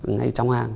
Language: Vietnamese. ngay trong hang